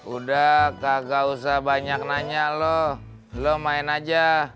udah gak usah banyak nanya lo lo main aja